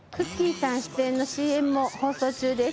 さん出演のＣＭも放送中です。